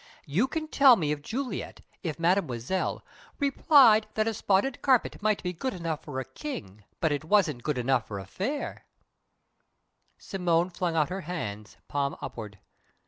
You can tell me if Juliet if Mademoiselle replied that a spotted carpet might be good enough for a king; it wasn't good enough for a Phayre." Simone flung out her hands, palm upward.